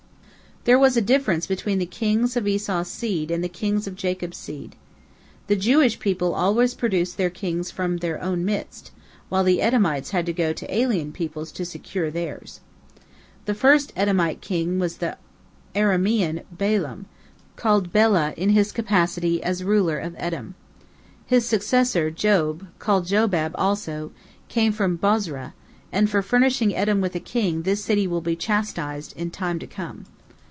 There was a difference between the kings of Esau's seed and the kings of Jacob's seed. The Jewish people always produced their kings from their own midst, while the Edomites had to go to alien peoples to secure theirs. The first Edomite king was the Aramean Balaam, called Bela in his capacity as ruler of Edom. His successor Job, called Jobab also, came from Bozrah, and for furnishing Edom with a king this city will be chastised in time to come.